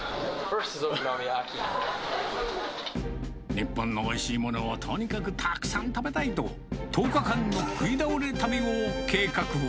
日本のおいしいものをとにかくたくさん食べたいと、１０日間の食い倒れ旅を計画。